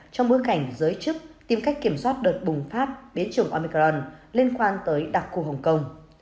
trong bước cảnh giới chức tìm cách kiểm soát đợt bùng phát biến trường omicron liên quan tới đặc cụ hồng kông